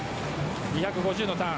２５０のターン。